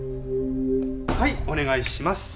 はいお願いします。